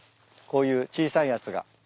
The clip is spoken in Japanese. こういう小さいやつが。